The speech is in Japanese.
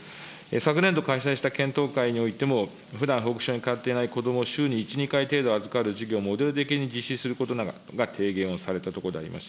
昨年度開催した検討会においても、ふだん保育所に通っていない子どもを週に１、２回程度預かる事業をモデル的に実施することが提言をされたところであります。